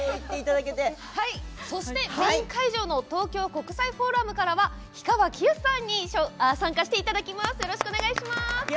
メイン会場の東京国際フォーラムからは氷川きよしさんに参加していただきます。